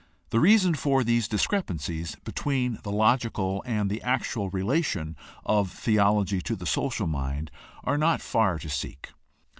The reason for these discrepancies between the logical and the actual relation of theology to the social mind are not far to seek.